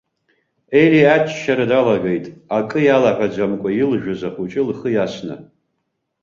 Ели аччара далагеит, акы иалаҳәаӡамкәа, илжәыз ахәыҷы лхы иасны.